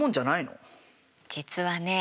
実はね